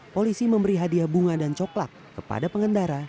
polisi memberi hadiah bunga dan coklat kepada pengendara